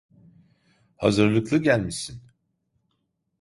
Hazırlıklı gelmişsin.